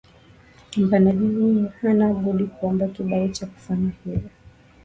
mpandaji huyu hana budi kuomba kibali cha kufanya hivyo